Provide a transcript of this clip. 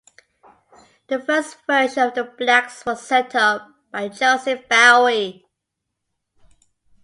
The first version of the Blacks was set up by Joseph Bowie.